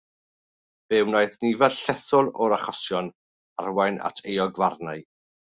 Fe wnaeth nifer llethol o'r achosion arwain at euogfarnau.